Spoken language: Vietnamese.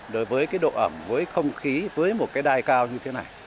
đối với cái độ ẩm với không khí với một cái đai cao như thế này